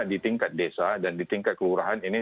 di tingkat desa dan di tingkat kelurahan ini